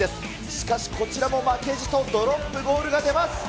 しかし、こちらも負けじとドロップゴールが出ます。